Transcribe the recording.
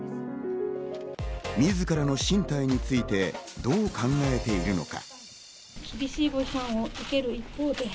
自らの進退についてどう考えているのか？